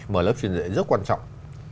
mở lớp truyền dạy rất quan trọng